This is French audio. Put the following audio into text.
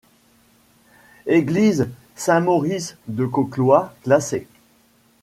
Église Saint-Maurice de Coclois classée.